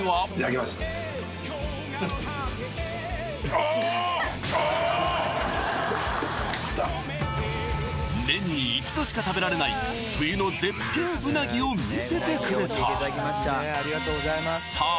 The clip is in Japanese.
きた年に一度しか食べられない冬の絶品うなぎを見せてくれたさあ